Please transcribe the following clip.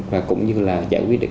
và cũng như là giải quyết được